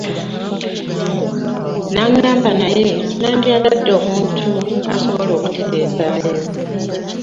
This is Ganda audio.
N’angamba naye nandyagadde omuntu asobola okutereezaayo.